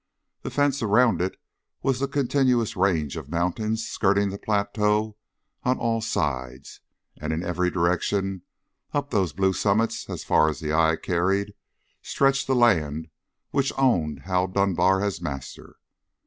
The fence around it was the continuous range of mountains skirting the plateau on all sides, and in every direction up to those blue summits as far as the eye carried, stretched the land which owned Hal Dunbar as master.